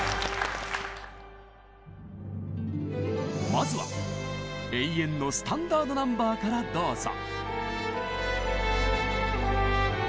まずは永遠のスタンダード・ナンバーからどうぞ！